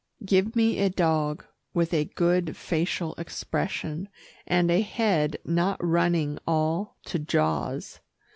Give me a dog with a good facial expression, and a head not running all to jaws.